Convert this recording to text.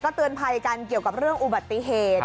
เตือนภัยกันเกี่ยวกับเรื่องอุบัติเหตุ